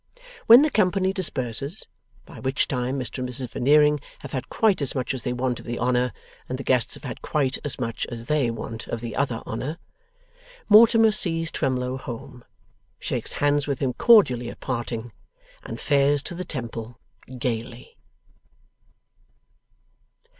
When the company disperse by which time Mr and Mrs Veneering have had quite as much as they want of the honour, and the guests have had quite as much as THEY want of the other honour Mortimer sees Twemlow home, shakes hands with him cordially at parting, and fares to the Temple, gaily.